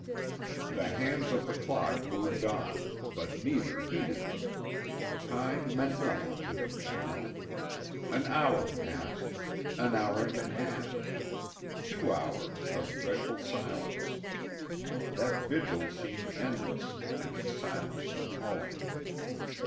The hands of the clock moved on, but neither heeded them. Time meant nothing to them now. An hour passed. An hour and a half. Two hours of dreadful silence. That vigil seemed endless, and its silence appalling.